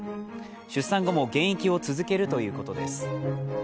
出産後も現役を続けるということです。